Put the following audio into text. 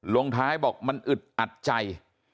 ลงท้ายบอกมันอึดอัดใจ